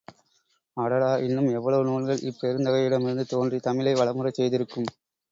அடடா இன்னும் எவ்வளவு நூல்கள் இப்பெருந்தகையிடமிருந்து தோன்றி தமிழை வளமுறச் செய்திருக்கும்.